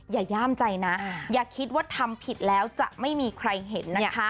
อย่าย่ามใจนะอย่าคิดว่าทำผิดแล้วจะไม่มีใครเห็นนะคะ